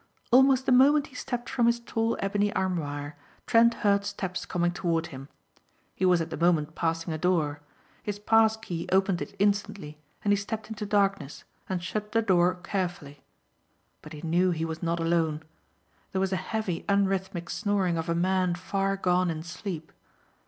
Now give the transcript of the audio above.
Almost the moment he stepped from his tall ebony armoire Trent heard steps coming toward him. He was at the moment passing a door. His pass key opened it instantly and he stepped into darkness and shut the door carefully. But he knew he was not alone. There was a heavy unrhythmic snoring of a man far gone in sleep.